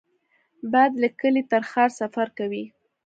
باد له کلي تر ښار سفر کوي